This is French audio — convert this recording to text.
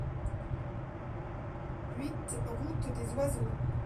huit route des Oiseaux